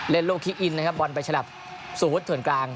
เล่นรถคลิกอินนะครับบอลไปฉลับสู่ฮุธถ่วนกลาง